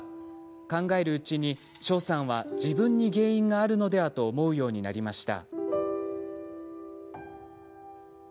考えるうちに翔さんは自分に原因があるのではと思うようになりました。